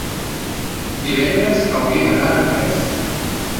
divendres hauria d'anar a Anglès.